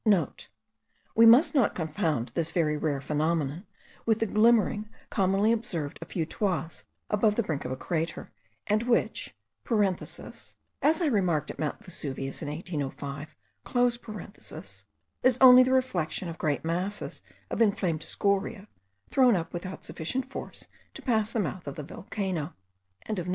(* We must not confound this very rare phenomenon with the glimmering commonly observed a few toises above the brink of a crater, and which (as I remarked at Mount Vesuvius in 1805) is only the reflection of great masses of inflamed scoria, thrown up without sufficient force to pass the mouth of the volcano.)